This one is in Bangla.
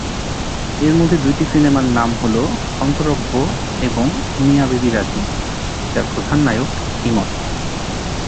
এরমধ্যে দুইটি সিনেমার নাম হল "অন্তরঙ্গ" এবং "মিয়া বিবি রাজী", যার প্রধান নায়ক ইমন।